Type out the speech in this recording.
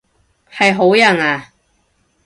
係好人啊？